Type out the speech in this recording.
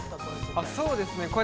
◆そうですね。